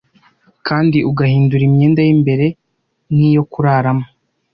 kandi ugahindura imyenda y'imbere n' iyo kuraramo.